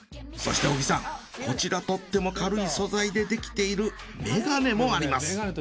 そして小木さんこちらとっても軽い素材でできているメガネもあります。